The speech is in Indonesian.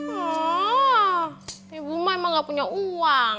oh ibu mah emang gak punya uang